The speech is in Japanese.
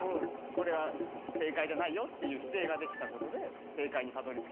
これは正解じゃないよっていう否定ができたことで正解にたどりつけたのかなって。